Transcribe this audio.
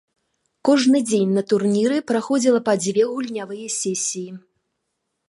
Кожны дзень на турніры праходзіла па дзве гульнявыя сесіі.